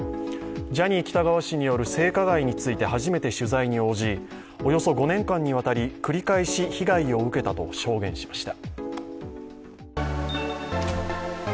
ジャニー喜多川氏による性加害について初めて取材に応じ、およそ５年間にわたり繰り返し被害を受けたと証言しました。